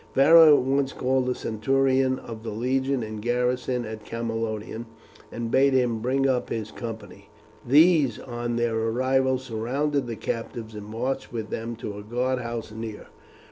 Varo at once called a centurion of the legion in garrison at Camalodunum, and bade him bring up his company. These on their arrival surrounded the captives and marched with them to a guardhouse near.